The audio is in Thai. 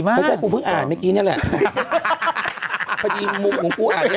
เดี๋ยวก็ได้แทบภัษีมาก